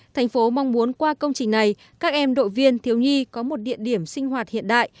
thành phố mong muốn qua công trình này các em đội viên thiếu nhi có một địa điểm sinh hoạt hiện đại